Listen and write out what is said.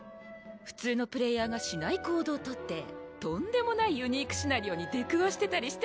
普通のプレイヤーがしない行動とってとんでもないユニークシナリオに出くわしてたりして。